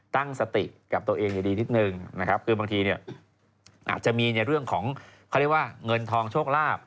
ตั้งสติกับตัวเองอย่างดีนิดนึกบางทีเรื่องของเงินทองโชคราบ